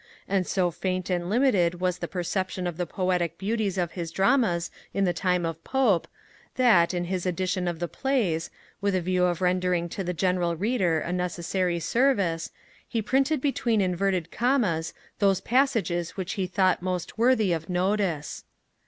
And so faint and limited was the perception of the poetic beauties of his dramas in the time of Pope, that, in his Edition of the Plays, with a view of rendering to the general reader a necessary service, he printed between inverted commas those passages which he thought most worthy of notice.